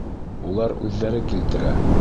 Улар үҙҙәре килтерә.